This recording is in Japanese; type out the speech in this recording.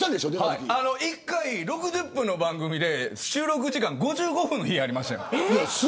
１回６０分の番組で収録時間が５５分の日がありましたよ。